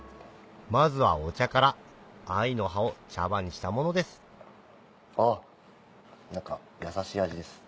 まずはお茶から藍の葉を茶葉にしたものですあっ何か。